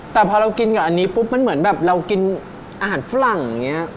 แต่พอเรากินกับอันนี้ปุ๊บมันเหมือนแบบเรากินอาหารฝรั่งอย่างนี้